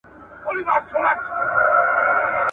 جواب ورکړه